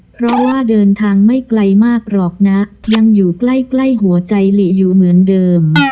เพราะว่าเดินทางไม่ไกลมากหรอกนะยังอยู่ใกล้หัวใจหลีอยู่เหมือนเดิม